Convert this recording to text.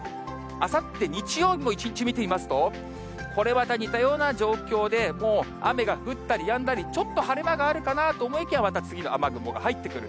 あさって日曜日も一日見てみますと、これまた似たような状況で、もう雨が降ったりやんだり、ちょっと晴れ間があるかなと思いきや、また次の雨雲が入ってくる。